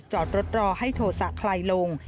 จอดรถรอให้โทษะคลายลง